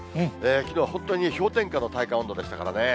きのうは本当に氷点下の体感温度でしたからね。